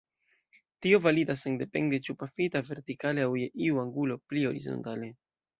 Tio validas sendepende ĉu pafita vertikale aŭ je iu angulo pli ol horizontale.